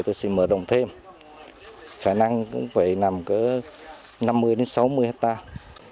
tôi sẽ mở rộng thêm khả năng cũng phải nằm cỡ năm mươi sáu mươi hectare